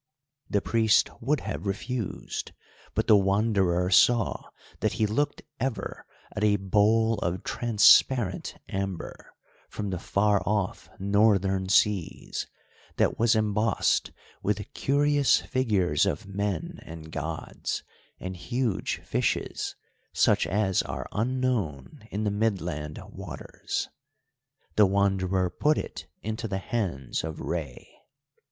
The priest would have refused, but the Wanderer saw that he looked ever at a bowl of transparent amber, from the far off Northern seas, that was embossed with curious figures of men and gods, and huge fishes, such as are unknown in the Midland waters. The Wanderer put it into the hands of Rei.